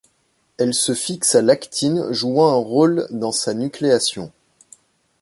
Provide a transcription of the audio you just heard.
Elle se fixe à l'actine, jouant un rôle dans sa nucléation.